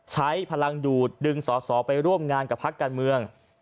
ใช้พลังดูดดึงสอสอไปร่วมงานกับพักการเมือง